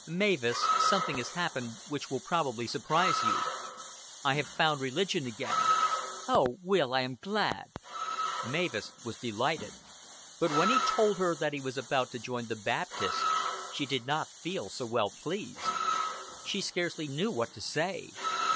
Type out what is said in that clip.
"Mavis, something has happened which will probably surprise you. I have found religion again." "Oh, Will, I am glad." Mavis was delighted; but when he told her that he was about to join the Baptists she did not feel so well pleased. She scarcely knew what to say.